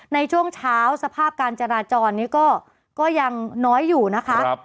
ในช่วงเช้าสภาพการจราจรนี้ก็ยังน้อยอยู่นะคะ